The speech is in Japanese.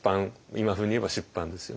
今風に言えば出版ですよね。